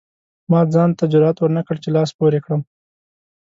ما ځان ته جرئت ورنکړ چې لاس پورې کړم.